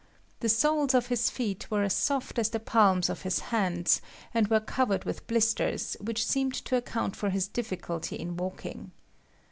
The soles of his feet were as soft as the palms of his hands, and were covered with blisters, which seemed to account for his difficulty in walking.